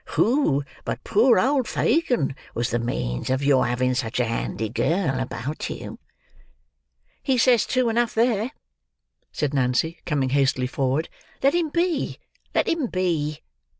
Who but poor ould Fagin was the means of your having such a handy girl about you?" "He says true enough there!" said Nancy, coming hastily forward. "Let him be; let him be."